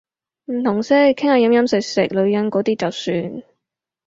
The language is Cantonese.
唔同色，傾下飲飲食食女人嗰啲就算